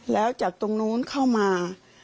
แล้วจากตรงนู้นเข้ามา